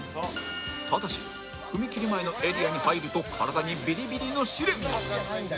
ただし踏み切り前のエリアに入ると体にビリビリの試練が